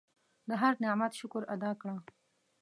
د هر نعمت شکر ادا کړه.